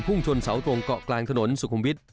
่งชนเสาตรงเกาะกลางถนนสุขุมวิทย์